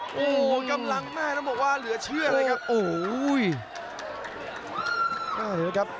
โอ้โหกำลังมากน่าจะบอกว่าเหลือเชื่อเลยครับ